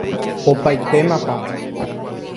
opaitémapa